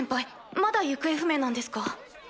まだ行方不明なんですか？